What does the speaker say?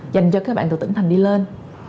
dành cho các bạn từ tỉnh thành đi lên